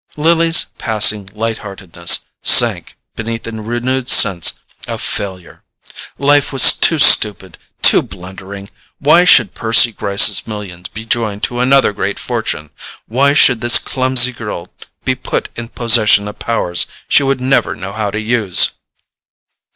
Lily's passing light heartedness sank beneath a renewed sense of failure. Life was too stupid, too blundering! Why should Percy Gryce's millions be joined to another great fortune, why should this clumsy girl be put in possession of powers she would never know how to use?